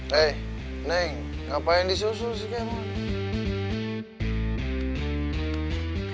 hei neng ngapain disusul si kemot